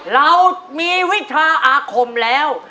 เรามีวิชาอาคมแล้ว